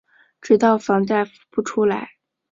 直到房贷付不出来